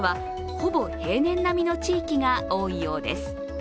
ほぼ平年並みの地域が多いようです。